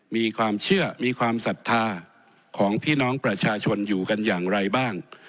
มีความเชื่อมีความศรัทธาของพี่น้องประชาชนอยู่กันอย่างไรบ้าง